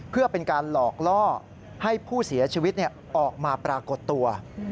เพื่อเป็นการหลอกล่อให้ผู้เสียชีวิตออกมาปรากฏตัว